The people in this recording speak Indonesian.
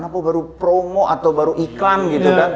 kenapa baru promo atau baru iklan gitu kan